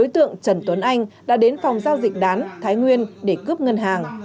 tượng trần tuấn anh đã đến phòng giao dịch đán thái nguyên để cướp ngân hàng